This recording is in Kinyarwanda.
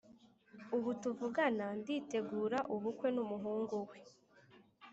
ubu tuvugana nditegura ubukwe numuhungu we